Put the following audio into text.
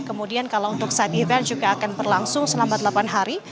kemudian kalau untuk side event juga akan berlangsung selama delapan hari